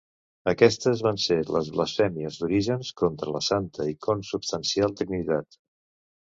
Aquestes van ser les blasfèmies d'Orígens contra la santa i consubstancial trinitat.